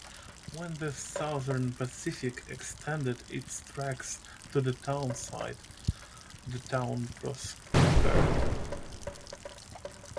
When The Southern Pacific extended its tracks to the Townsite, the town prospered.